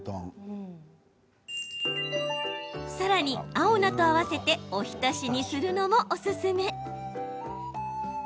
さらに、青菜と合わせてお浸しにするのもおすすめ。